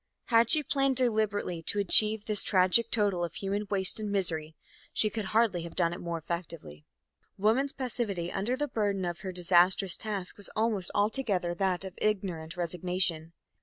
Had she planned deliberately to achieve this tragic total of human waste and misery, she could hardly have done it more effectively. Woman's passivity under the burden of her disastrous task was almost altogether that of ignorant resignation.